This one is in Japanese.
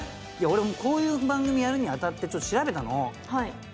俺もこういう番組やるに当たって調べたの。